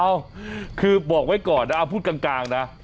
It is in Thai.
เอ้าคือบอกไว้ก่อนนะเอาพูดกลางนะ